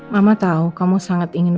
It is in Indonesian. mama tahu kamu sangat ingin